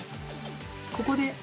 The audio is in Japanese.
ここで。